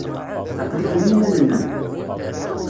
Aql-ikem i yiman-nnem?